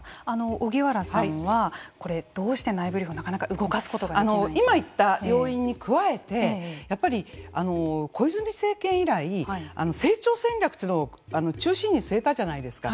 荻原さんはどうして内部留保が今言った要因に加えてやっぱり小泉政権以来成長戦略というのを中心に据えたじゃないですか。